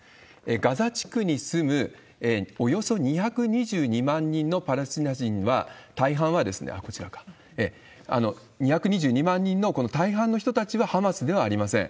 ガザ地区に住むおよそ２２２万人のパレスチナ人は、大半は、２２２万人のこの大半の人たちはハマスではありません。